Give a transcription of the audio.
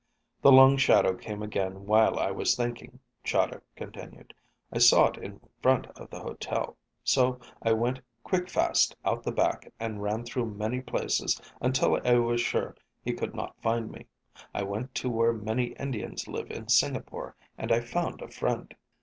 "The Long Shadow came again while I was thinking," Chahda continued. "I saw it in front of the hotel. So I went quick fast out the back, and ran through many places until I was sure he could not find me. I went to where many Indians live in Singapore, and I found a friend."